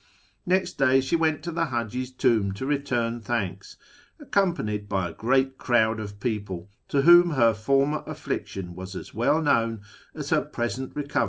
Next day she went to the Haji's tomb to return thanks, accompanied by a great crowd of people, to whom her former affliction was as well known as her present recovery was obvious.